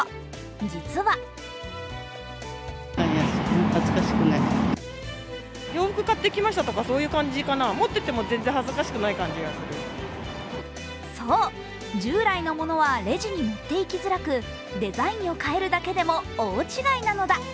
実は従来のものはレジに持っていきづらくデザインを変えるだけでも大違いなのだ。